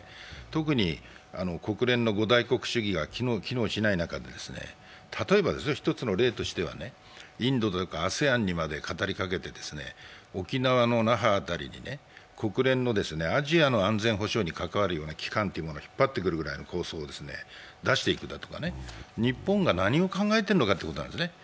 特に国連の五大国主義が機能しない中で、例えば一つの例としては、インドとかＡＳＥＡＮにまで語りかけて沖縄の那覇辺りに国連のアジアの安全保障に関わる話を引っ張ってくるぐらいの構想を出してくるとか、日本が何を考えているのかということですね。